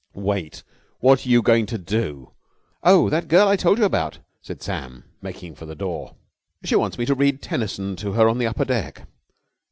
"Wait! What are you going to do?" "Oh, that girl I told you about," said Sam making for the door. "She wants me to read Tennyson to her on the upper deck."